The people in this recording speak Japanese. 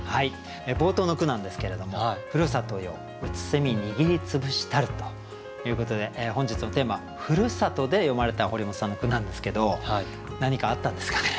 冒頭の句なんですけれども「ふるさとよ空握りつぶしたる」ということで本日のテーマ「故郷」で詠まれた堀本さんの句なんですけど何かあったんですかね？